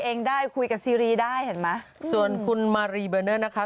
เองได้คุยกับซีรีได้เห็นไหมส่วนคุณดีเลยนะคะ